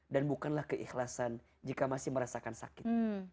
dan bukanlah keikhlasan jika masih merasakan sakit